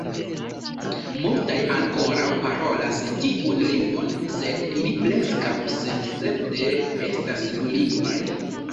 Multaj ankoraŭ parolas tiun lingvon, sed ili preskaŭ senescepte estas dulingvaj.